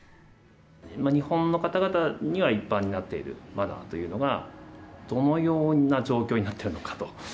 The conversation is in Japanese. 日本の方々には一般になっているマナーというのが、どのような状況になっているのかと。